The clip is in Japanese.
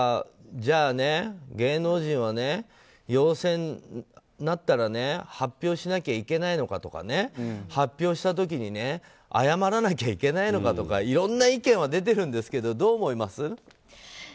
じゃあ、芸能人は陽性になったら発表しなきゃいけないのかとかね発表した時に謝らなきゃいけないのかとかいろんな意見は出てるんですけどどう思います？